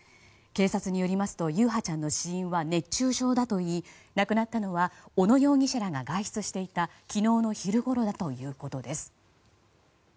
警察によりますと優陽ちゃんの死因は熱中症だといい亡くなったのは小野容疑者らが外出していた昨日の昼ごろだということです。